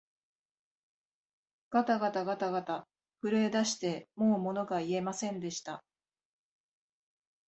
がたがたがたがた、震えだしてもうものが言えませんでした